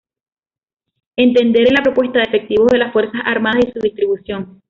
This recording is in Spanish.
Entender en la propuesta de efectivos de las Fuerzas Armadas y su distribución.